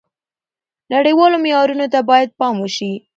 نړیوالو معیارونو ته باید پام وشي.